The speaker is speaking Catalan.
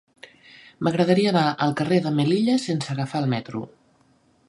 M'agradaria anar al carrer de Melilla sense agafar el metro.